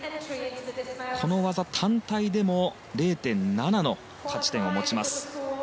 この技単体でも０．７の価値点を持ちます。